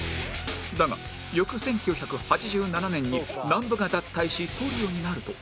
だが翌１９８７年に南部が脱退しトリオになると